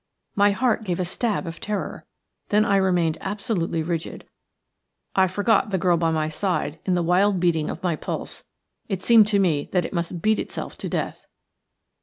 My heart gave a stab of terror, then I remained absolutely rigid – I forgot the girl by my side in the wild beating of my pulse. It seemed to me that it must beat itself to death.